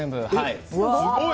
すごい！